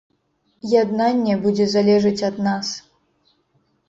Яднанне будзе залежыць ад нас.